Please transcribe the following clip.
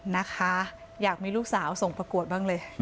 นะคะอยากมีลูกสาวส่งประกวดบ้างเลย